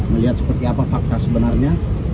melihat seperti apa fakta sebenarnya